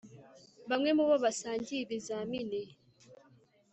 bamwe mubo basangiye ibizamini